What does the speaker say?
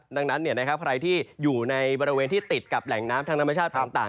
ดังนั้นใครที่อยู่ในบริเวณที่ติดกับแหล่งน้ำทางธรรมชาติต่าง